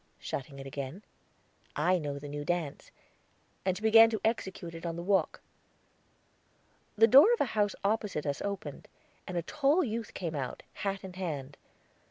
shutting it again. "I know the new dance"; and she began to execute it on the walk. The door of a house opposite us opened, and a tall youth came out, hat in hand.